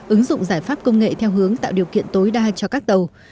ứng dụng giải pháp công nghệ theo hướng tạo điều kiện tối đa cho các tàu